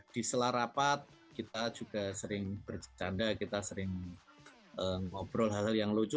di selarapat kita juga sering bercanda kita sering ngobrol hal hal yang lucu